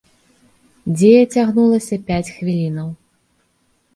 Дзея цягнулася пяць хвілінаў.